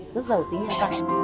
rất giàu tính nhân tâm